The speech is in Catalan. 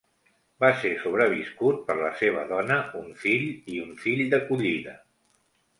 Va ser sobreviscut per la seva dona, un fill i un fill d'acollida.